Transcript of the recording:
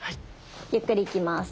ゆっくりいきます。